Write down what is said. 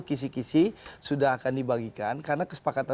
oke karena saya tahu kisi kisi sudah akan dibagikan karena kesepakatan bersama